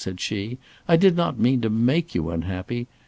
said she; "I did not mean to make you unhappy.